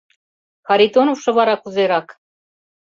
— Харитоновшо вара кузерак?